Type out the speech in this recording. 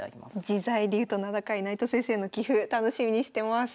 自在流と名高い内藤先生の棋譜楽しみにしてます。